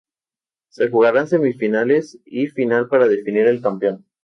Se jugarán semifinales y final para definir el campeón.